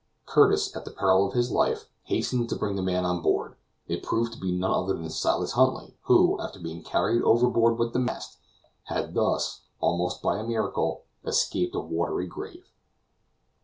Curtis, at the peril of his life, hastened to bring the man on board. It proved to be none other than Silas Huntly, who, after being carried overboard with the mast, had thus, almost by a miracle, escaped a watery grave.